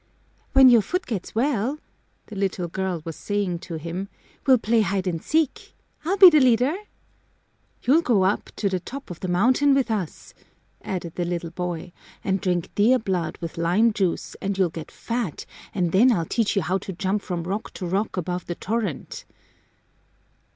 "When your foot gets well," the little girl was saying to him, "we'll play hide and seek. I'll be the leader." "You'll go up to the top of the mountain with us," added the little boy, "and drink deer blood with lime juice and you'll get fat, and then I'll teach you how to jump from rock to rock above the torrent."